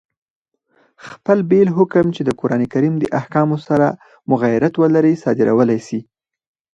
خپل بېل حکم، چي د قرآن کریم د احکامو سره مغایرت ولري، صادرولای سي.